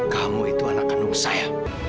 kamu itu anak kandung saya